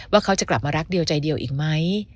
เขาจะกลับมารักเดียวใจเดียวอีกไหม